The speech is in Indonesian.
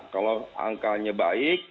kalau angkanya baik